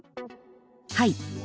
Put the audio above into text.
はい。